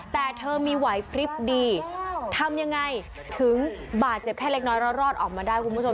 แต่เธอมีไหวพลิบดีทำยังไงถึงบาดเจ็บแค่เล็กน้อยแล้วรอดออกมาได้คุณผู้ชม